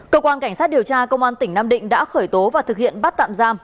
cơ quan cảnh sát điều tra công an tỉnh nam định đã khởi tố và thực hiện bắt tạm giam